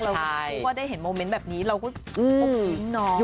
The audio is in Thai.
เราก็ได้เห็นโมเมนต์แบบนี้เราก็โอเคน้อง